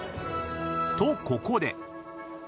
［とここで］